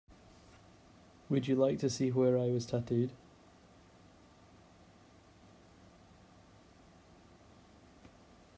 Would you like to see where I was tattooed?